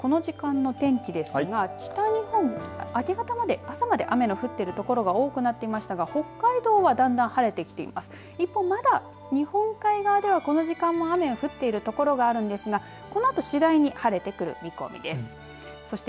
きょうこの時間天気ですが北日本、明け方まで朝まで雨の降っている所が多くなってないましたが北海道だんだん晴れできています一方、まだ日本海側ではこの時間も雨が降っている所があるんですがこのあと次第に晴れてくる見込みです。